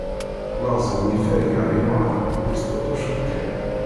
Waɣzen yeffer gar yemɣan yesṭuṭṭuc-d kan.